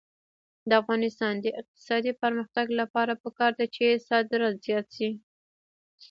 د افغانستان د اقتصادي پرمختګ لپاره پکار ده چې صادرات زیات شي.